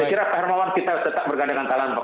kira kira pak herbawan kita tetap bergandakan kalian pak